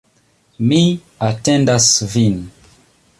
Mi atendas vin.